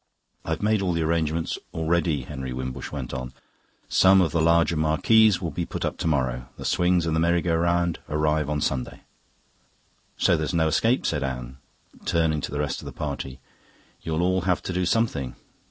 "I've made all the arrangements already," Henry Wimbush went on. "Some of the larger marquees will be put up to morrow. The swings and the merry go round arrive on Sunday." "So there's no escape," said Anne, turning to the rest of the party. "You'll all have to do something.